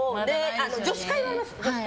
女子会はあります。